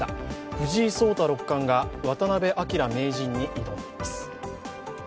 藤井聡太六冠が渡辺明名人に挑みます。